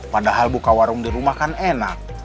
padahal buka warung di rumah kan enak